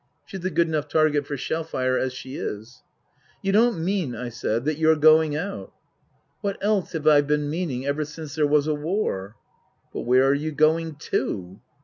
She's a good enough target for shell fire as she is." " You don't mean," I said, " that you're going out ?"" What else have I been meaning ever since there was a war ?"" But where are you going to?"